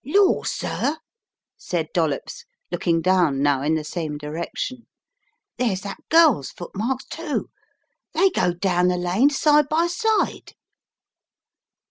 "Lor', sir," said Dollops, looking down now in the same direction, "there's that girl's footmarks, too. They go down the lane side by side."